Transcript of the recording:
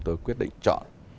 tôi quyết định chọn